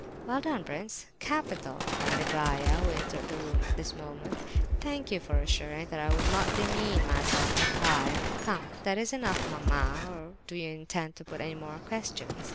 "Well done, prince, capital!" cried Aglaya, who entered the room at this moment. "Thank you for assuming that I would not demean myself with lies. Come, is that enough, mamma, or do you intend to put any more questions?"